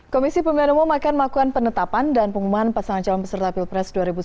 komisi pemilihan umum akan melakukan penetapan dan pengumuman pasangan calon peserta pilpres dua ribu sembilan belas